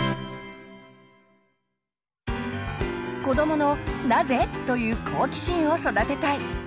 子どもの「なぜ？」という好奇心を育てたい！